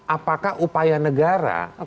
apakah upaya negara